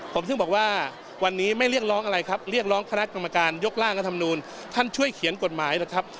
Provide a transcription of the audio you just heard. ผมถึงบอกว่าวันนี้ไม่เรียกร้องอะไรครับเรียกร้องคณะกรรมการยกร่างรัฐมนูลท่านช่วยเขียนกฎหมายนะครับ